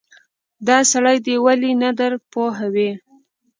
دا سړی دې ولې نه درپوهوې.